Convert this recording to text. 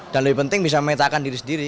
dan lebih penting bisa memetakan diri sendiri